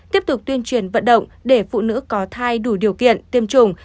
tiếp tục tuyên truyền vận động để phụ nữ có thai đủ điều kiện tiêm chủng